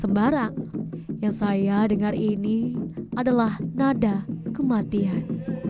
sembarang yang saya dengar ini adalah nada kematian